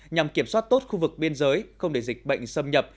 nhằm kiểm soát tốt khu vực biên giới không để dịch bệnh xâm nhập